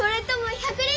１００Ｌ！